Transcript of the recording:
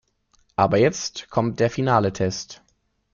Aber jetzt kommt der finale Test.